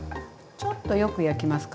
ちょっとよく焼きますかね。